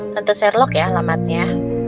tante sherlock ya alamatnya